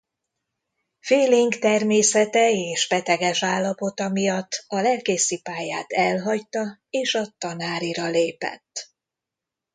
Félénk természete és beteges állapota miatt a lelkészi pályát elhagyta és a tanárira lépett.